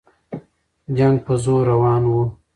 جنګ په زور روان وو.